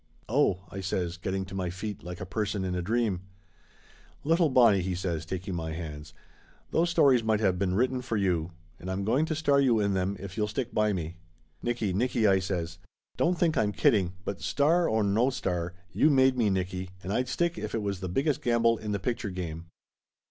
"Oh !" I says, getting to my feet like a person in a dream. "Little Bonnie," he says, taking my hands, "those stories might have been written for you. And I'm going to star you in them if you'll stick by me !" "Nicky, Nicky !" I says. "Don't think I'm kidding, but star or no star, you made me, Nicky, and I'd stick if it was the biggest gamble in the picture game!"